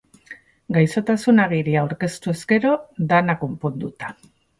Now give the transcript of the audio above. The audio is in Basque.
Gaixotasun-agiria aurkeztuz gero, dena konponduta.